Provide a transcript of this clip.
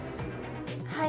はい。